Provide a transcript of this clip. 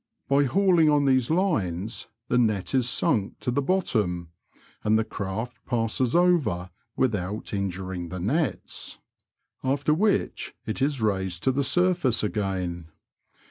By hauling on these lines, the net is snnk to the bottom, and the craft passes over without injuring the nets ; after which it is raised to the sur&ce again.